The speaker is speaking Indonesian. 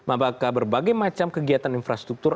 apakah berbagai macam kegiatan infrastruktur